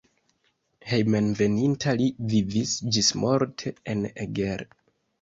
Hejmenveninta li vivis ĝismorte en Eger.